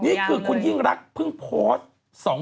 จากธนาคารกรุงเทพฯ